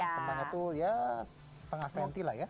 kentangnya tuh ya setengah senti lah ya